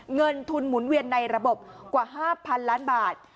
เงินทุนหมุนเวียนในระบบกว่า๕๐๐๐ล้านบาท